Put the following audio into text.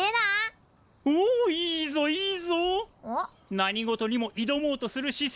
何事にもいどもうとする姿勢